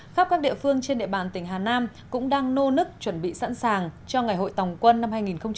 khắp các địa phương trên địa bàn tỉnh hà nam cũng đang nô nức chuẩn bị sẵn sàng cho ngày hội tòng quân năm hai nghìn hai mươi